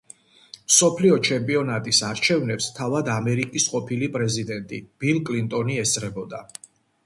მსოფლიო ჩემპიონატის არჩევნებს თავად ამერიკის ყოფილი პრეზიდენტი ბილ კლინტონი ესწრებოდა.